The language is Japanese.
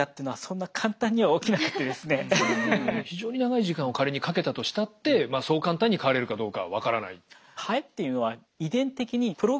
それが非常に長い時間を仮にかけたとしたってそう簡単に変われるかどうかは分からない？